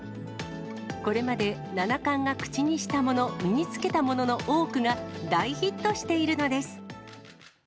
これまで七冠が口にしたもの、身につけたものの多くが、大ヒットしているのです。